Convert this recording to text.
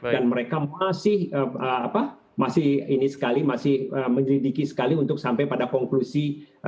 dan mereka masih menyelidiki sekali untuk sampai pada konklusi